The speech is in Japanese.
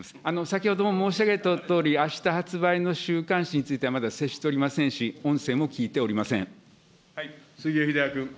先ほども申し上げたとおり、あした発売の週刊誌については、まだ接しておりませんし、音声も杉尾秀哉君。